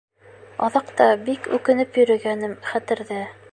Аҙаҡ та бик үкенеп йөрөгәнем хәтерҙә.